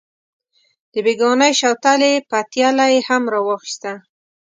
د بېګانۍ شوتلې پتیله یې هم راواخیسته.